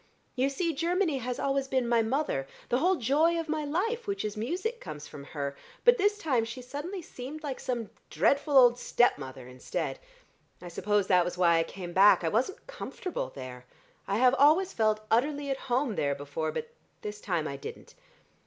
You see, Germany has always been my mother: the whole joy of my life, which is music, comes from her, but this time she suddenly seemed like some dreadful old step mother instead. I suppose that was why I came back. I wasn't comfortable there. I have always felt utterly at home there before, but this time I didn't.